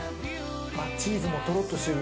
あっチーズもトロっとしてる。